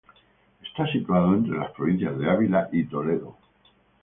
Está situado entre las provincias de Ávila y Toledo.